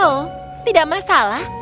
oh tidak masalah